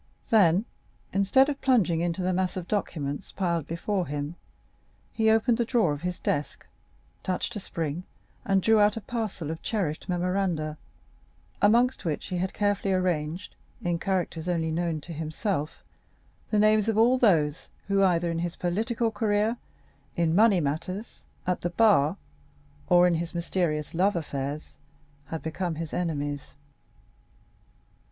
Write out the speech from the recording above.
Then, instead of plunging into the mass of documents piled before him, he opened the drawer of his desk, touched a spring, and drew out a parcel of cherished memoranda, amongst which he had carefully arranged, in characters only known to himself, the names of all those who, either in his political career, in money matters, at the bar, or in his mysterious love affairs, had become his enemies.